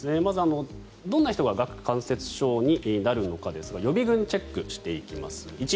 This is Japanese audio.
まず、どんな人が顎関節症になるのかですが予備軍チェックしていきます。